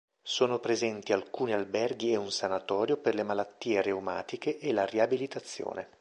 Sono presenti alcuni alberghi e un sanatorio per le malattie reumatiche e la riabilitazione.